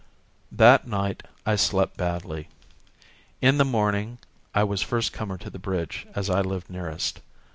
That night I slept badly. In the morning I was first comer to the bridge as I lived nearest.